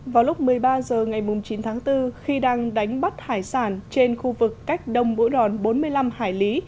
vào lúc một mươi ba h ngày chín tháng bốn khi đang đánh bắt hải sản trên khu vực cách đông bũa đòn bốn mươi năm hải lý